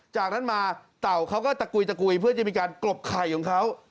จากนั้นมาเต่าเขาก็ตะกุยตะกุยเพื่อจะมีการกรบไข่ของเขา